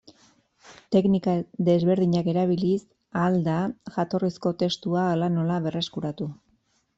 Teknika desberdinak erabiliz ahal da jatorrizko testua hala-nola berreskuratu.